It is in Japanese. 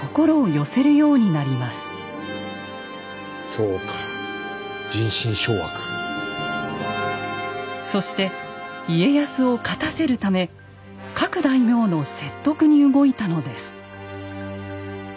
黒田は次第にそして家康を勝たせるため各大名の説得に動いたのです。